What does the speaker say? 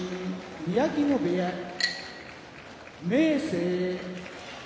宮城野部屋明生